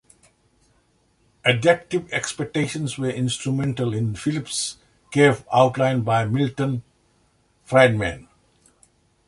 Adaptive expectations were instrumental in the Phillips curve outlined by Milton Friedman.